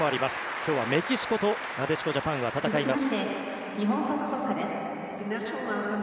今日はメキシコとなでしこジャパンは戦います。